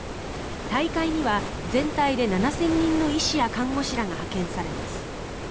大会には全体で７０００人の医師や看護師らが派遣されます。